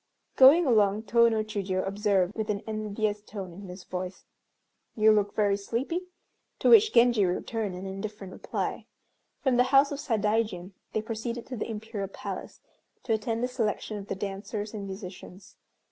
Going along Tô no Chiûjiô observed with an envious tone in his voice, "You look very sleepy;" to which Genji returned an indifferent reply. From the house of Sadaijin they proceeded to the Imperial Palace to attend the selection of the dancers and musicians.